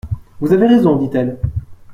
Vous avez raison, dit-elle.